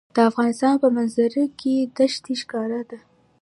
د افغانستان په منظره کې دښتې ښکاره ده.